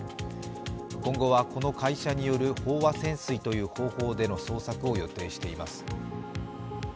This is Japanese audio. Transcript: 今後は、この会社による飽和潜水という方法での捜索を予定しています。